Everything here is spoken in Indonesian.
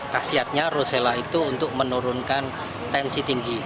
kasiatnya rosella itu untuk menurunkan tensi tinggi